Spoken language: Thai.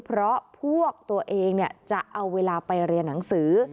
เพราะพวกตัวเองจะเอาเวลาไปเรียนหนังสือ